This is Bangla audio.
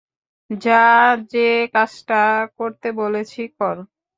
যা, যে কাজটা করতে বলেছি কর।